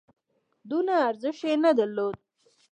دونه ارزښت یې نه درلود.